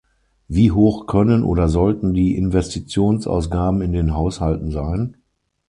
Wie hoch können oder sollten die Investitionsausgaben in den Haushalten sein?